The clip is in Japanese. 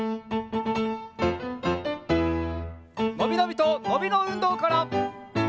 のびのびとのびのうんどうから！